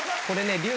これね。